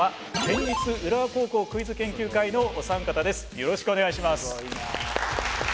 よろしくお願いします。